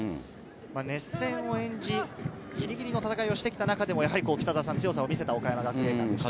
熱戦を演じ、ぎりぎりの戦いをしてきた中でも強さを見せた岡山学芸館でした。